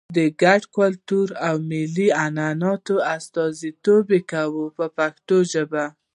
د ګډ کلتور او ملي عنعنو استازیتوب کوي په پښتو ژبه.